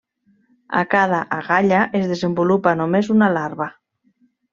A cada agalla es desenvolupa només una larva.